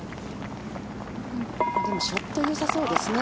でもショットはよさそうですね。